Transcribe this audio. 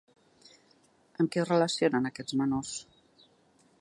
Amb qui es relacionen aquests menors?